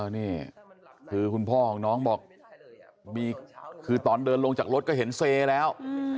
นี่คือคุณพ่อของน้องบอกคือตอนเดินลงจากรถก็เห็นเซแล้ว